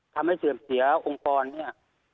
ทำให้เสื่อมเสียองค์ฟรนี่